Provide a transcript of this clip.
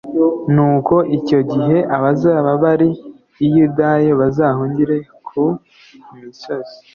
Nuko icyo gihe abazaba bari i Yudaya bazahungire ku misozi,